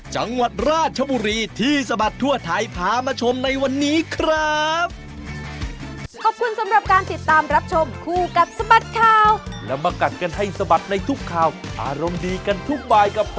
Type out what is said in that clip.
จังหวัดราชบุรีที่สะบัดทั่วไทยพามาชมในวันนี้ครับ